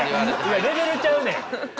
いやレベルちゃうねん。